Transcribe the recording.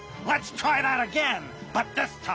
あっ！